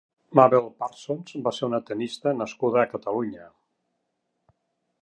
Mabel Parsons va ser una tennista nascuda a Catalunya.